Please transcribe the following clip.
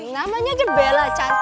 namanya aja bella cantik